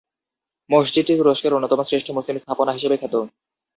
মসজিদটি তুরস্কের অন্যতম শ্রেষ্ঠ মুসলিম স্থাপনা হিসেবে খ্যাত।